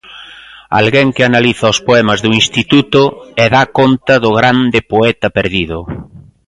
Alguén que analiza os poemas do instituto e dá conta do grande poeta perdido.